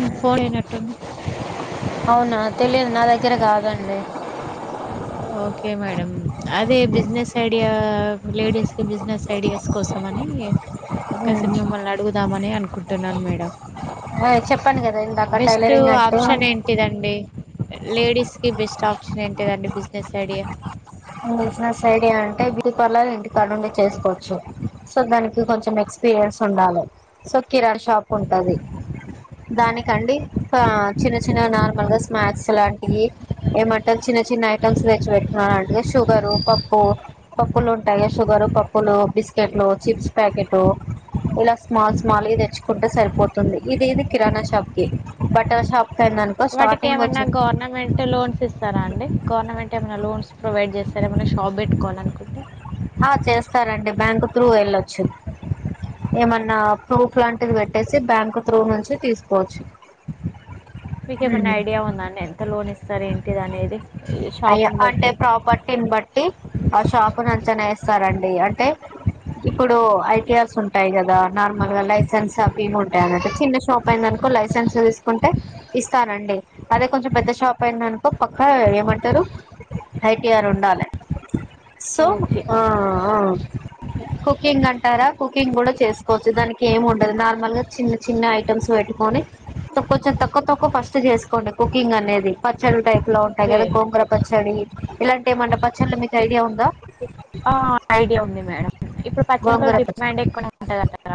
మ్ పోయేటట్టుంది. అవునా తెలియదు నా దగ్గర కాదండి. Okay madam. అదే బిజినెస్ ఐడియా లేడీస్కి బిజినెస్ ఐడియాస్ కోసంమని కలిసి మిమ్మల్ని అడుగుదామని అను కుంటున్నాను మేడం. అదే చెప్పాను కదా ఇందాక బెస్ట్ టైలరింగ్ అంటూ ఆప్షన్ ఏంటిదండి. లేడీస్కి బెస్ట్ ఆప్షన్ ఏంటిదండి బిజినెస్ ఐడియా బిజినెస్ ఐడియా అంటే బ్యూటీ పార్లర్ ఇంటికాడుండి చేసుకోచ్చు. సో దానికి కొంచెం ఎక్స్పీరియన్స్ ఉండాలి. సో కిరాణ షాప్ ఉంటది. దానికండి ఆ చిన్న చిన్న నార్మల్గా స్నాక్స్ లాంటివి ఏమంటా చిన్న చిన్న ఐటమ్స్ తెచ్చి పెట్టుకున్నా నంట్ షుగరు, పప్పు, పప్పులుంటాయి. షుగరు, పప్పులు, బిస్కెట్లు, చిప్స్ ప్యాకెటు ఇలా స్మాల్ స్మాల్గే తెచ్చుకుంటే సరిపోతుంది ఇది ఇది కిరాణా షాప్కి బట్టల షాప్ కి అయిందనుకో స్టార్టింగ్ వాటికేమన్నా వచ్చే గవర్నమెంట్ లోన్స్ ఇస్తారా అండి. గవర్నమెంట్ ఏమన్నా లోన్స్ ప్రొవైడ్ చేస్త స్తర ఏమన్నా షాప్ పెట్టుకోవాలనుకుంటే ప్రూ వెళ్ళచ్చు. ఏమన్నా ప్రూఫ్ లాంటిది పెట్టేసి బ్యాంక్ త్రూ నుంచి తీసుకోవచ్చు. మీకేమన్నా ఐడియా ఉందా అండి. ఎంత లోన్ ఇస్తారు ఏంటిది అనేది ఈ అయ్య షాప్ని అంటే బట్టి ప్రాపర్టీని బట్టి ఆ షాపు నంచనా వేస్తారం ండి. అంటే ఇప్పుడు ఐటీఆర్స్ ఉంటాయి కదా నార్మల్గా లైసెన్స్ అవిమి ఉంటాయన్నట్టు చిన్న షాప్ అయిందన్ నుకో లైసెన్స్ తీసుకుంటే ఇస్తారండి. అదే కొంచెం పెద్ద షాప్ అయిందనుకో పక్కా ఏమంటరు ఐ టీ ఆర్ ఉండాలే సో ఓకే ఆ కుకింగ్ అంటారా కుకింగ్ కూడా చేసుకోవచ్చు దానికి ఏం ఉండదు నార్మల్ గా చిన్న చి చిన్న ఐటమ్స్ పెట్టుకొని తక్కువ తక్కువ ఫస్ట్ చేసుకోండి కుకింగ్ అనేది పచ్చడి టైప్ లా ఉంటాయి ఓకే కదా గోంగర పచ్చడి ఇలాంటి ఏమన్నా పచ్చళ్ళు మీకు ఐడియా ఉందా ఆ ఐడియా ఉంది మేడం ఇప్పుడు పచ్చళ్లతో గోంగూర పచ్చడి డిమాండ్ ఎక్కువనే ఉంటాది కద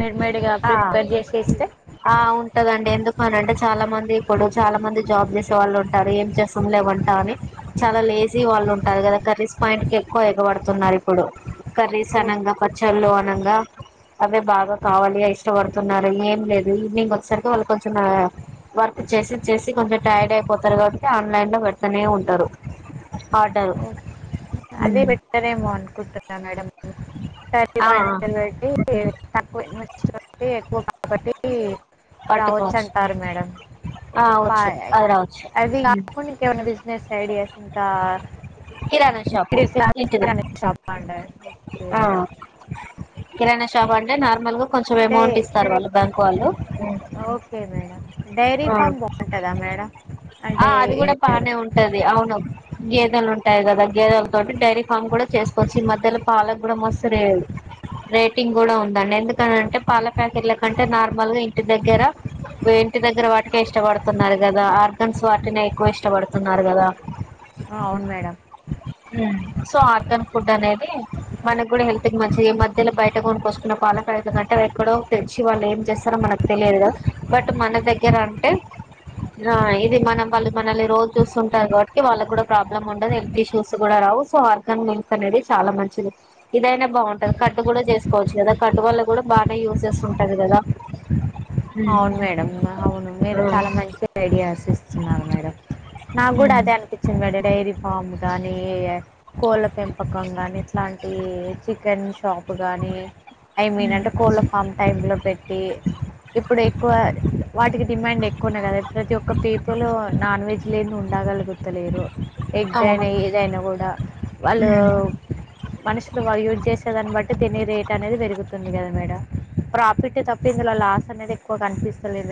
మిడ్ మేడ్ గా ఆ ప్రిపేర్ చేసి ఇస్తే ఆ ఉంటదండి ఎందుకు అని అంటే చాలా మంది ఇప్పుడు చాలా మంది జాబ్ చేస్త వాళ్ళు ఉంటారు ఏం చేస్తాంలే వంట అని చాలా లేజీ వాళ్ళు ఉంటారు కద కర్రీస్ పాయింట్ కి ఎక్కువ ఎగ పడుతున్నారు ఇప్పుడు కర్రీస్ అనంగ పచ్చళ్ళు అనంగా అద బాగా కావాలి ఇష్టపడుతున్నారు ఏం లేదు ఈవినింగ్ వచ్చసరికి వాళ్ళు కొంచెం వర్క్ చేసి చేసి కొంచెం టైర్డ్ అయిపోతారు కాబట్టి ఆన్లైన్ లో పెడతనే ఉంటారు ఆర్డరు ఓ అదే బెటరెమో అనుకుంటున్నా మేడం [inaudible] ఆ [unintelligible] ఎక్కువ కాబట్టి రావచ్చు పట్టుకోవచ్చు అంటారు మేడం ఆ వచ్చు బాయ్ ఐ అది రావచ్చు ఇం ఏమన్నా బిజినెస్ ఐడియాస్ ఇంకా kirana shop middle class kirana shop అండి ఓకే ఆ మేడం కిరాణా షాప్ అంటే నార్మల్ గా కొంచెం డే అమౌంట్ ఇస్తారు వాళ్ళు బ్యాంక్ వాళ్ళు ఓకే మేడం డైరీ ఫామ్ బాగుంటదా మేడం ఆ అంటే అది కూడా ఏ- బానే ఉంటది అవును గేదెలు ఉంట యి కదా గేదలతో డైరీ ఫామ్ కూడా చేసుకోవచ్చు ఈ మధ్యలో పాలకు కూడా మస్తు రేట్ రేటింగ్ ఉందండి ఎందుకనంటే పాల ప్యాకెట్ ల కంటే నార్మల్ గా ఇంటి దగ్గర ఇంటి దగ్గర వా ఇష్టపడుతున్నారు కదా ఆర్గన్స్ వాటినే ఎక్కువ ఇష్టపడుతున్నారు కదా అవును మేడం సో ఆర్గన్ ఫుడ్ అనేది మనకు కూడ హెల్త్ కి మంచి మధ్యలో బయట కొనుకొచ్చుకున్న పాల ప్యాకెట్స్ కంటే ఎక్కడో తెచ్చి వాళ్ళు ఏం చేస్తారో మనకు తెలియదు కదా బట్ మన దగ్గర అంటే హ ఇ ఇది మనం వాళ్ళు మనల్ని రోజు చూస్తుఉంటారు కాబట్టి వాళ్ళ కూడా ప్రాబ్లమ్ ఉండదు హెల్త్ ఇష్యూస్ కూడా రావు సో ఆ అనేది చానా మంచిది ఇదైనా బాగుంటది కట్ కూడా చేసుకోవచ్చు కదా కట్ వాళ్ళ కూడా బానే యూజ్ ఉంటది కదా అవును మేడం అవును మీరు చాల మంచి ఐడియాస్ ఇస్తున్నారు మేడం నాకు కూడ అదే అనిపించింది మేడం డైరీ ఫామ్ గానీ కోళ్ళ పెంపకం గాని ఇట్లాం చికెన్ షాప్ గాని ఐ మీన్ అంటే కోళ్ళ ఫామ్ టైమ్ లో పెట్టి ఇప్పుడు ఎక్కువ వాటికి డిమాండ్ ఎక్కువనే గాదా ప్రతి ఒక్క పీపుల్ నాన్ వెజ్ లేంది ఉం డగలు గుతలేరు ఎగ్ ఆ అయినా ఏదైనా కూడ వాళ్ళు అవును మనుషులు వాళ్ళు యూజ్ చే దాన్ని బట్టి తినే రేట్ అనేది పెరుగుతుంది కదా మేడం ప్రాఫిట్ తప్ప ఇందులో లాస్ అనేది ఎక్కువ కనిపిస్తలేదు